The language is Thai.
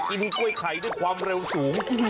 กินกล้วยไข่ด้วยความเร็วสูง